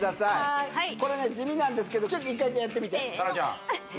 はいこれね地味なんですけどちょっと１回やってみて沙羅ちゃんい